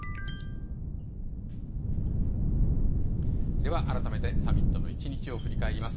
では改めてサミットの一日を振り返ります。